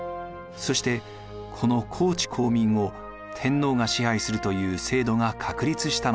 そしてこの公地公民を天皇が支配するという制度が確立したのです。